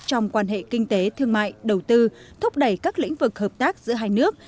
trong quan hệ kinh tế thương mại đầu tư thúc đẩy các lĩnh vực hợp tác giữa hai nước